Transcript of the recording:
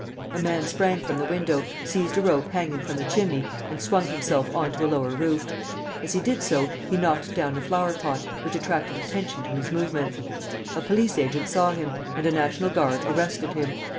A man sprang from the window, seized a rope hanging from the chimney, and swung himself on to a lower roof. As he did so, he knocked down a flower pot, which attracted attention to his movements. A police agent saw him, and a national guard arrested him.